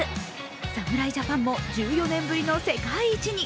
侍ジャパンも１４年ぶりの世界一に。